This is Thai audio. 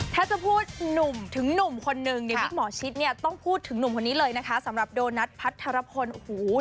ถ้าจะพูดหนุ่มถึงหนุ่มคนนึงในวิกหมอชิดเนี่ยต้องพูดถึงหนุ่มคนนี้เลยนะคะสำหรับโดนัทพัทรพลโอ้โห